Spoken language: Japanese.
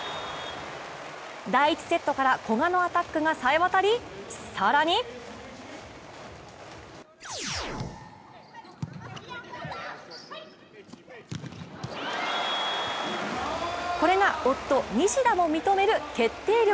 第１セットから古賀のアタックがさえ渡り、更にこれが夫・西田も認める決定力。